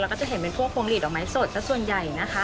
เราก็จะเห็นไปพวกพงฤตออกมาใหม่สดก็ส่วนใหญ่